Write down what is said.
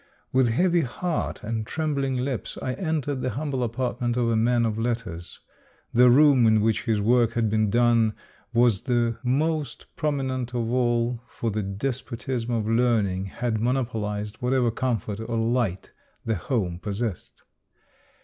With heavy heart and trembling lips I entered the humble apartment of a man of letters. The room in which his work had been done was the most prominent of all, for the despotism of learning had monopolized whatever comfort or light the home possessed.